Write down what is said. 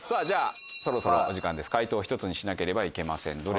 じゃそろそろお時間です解答を１つにしなければいけません。